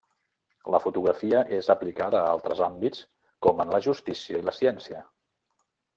La fotografia és aplicada a altres àmbits com en la justícia i la ciència.